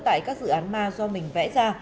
tại các dự án ma do mình vẽ ra